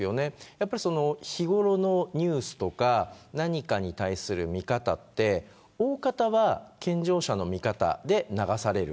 やっぱり日頃のニュースとか何かに対する見方って大方は健常者の見方で流される。